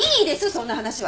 そんな話は。